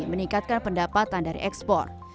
meningkatkan pendapatan dari ekspor